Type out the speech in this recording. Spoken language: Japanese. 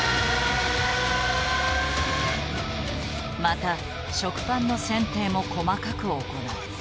また食パンの選定も細かく行う。